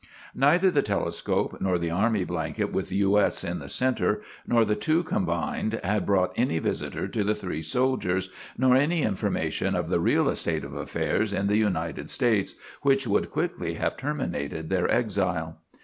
Neither the telescope nor the army blanket with "U.S." in the center, nor the two combined, had brought any visitors to the three soldiers, nor any information of the real state of affairs in the United States, which would quickly have terminated their exile.